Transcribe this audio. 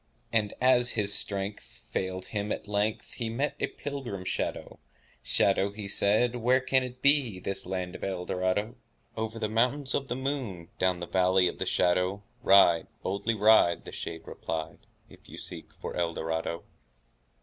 And, as his strength Failed him at length, He met a pilgrim shadow— "Shadow," said he, "Where can it be— This land of Eldorado?" "Over the Mountains Of the Moon, Down the Valley of the Shadow, Ride, boldly ride," The shade replied,— "If you seek for Eldorado!"